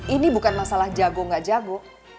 ini bukan masalah jago gak jago